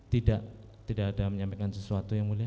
tidak tidak ada menyampaikan sesuatu yang mulia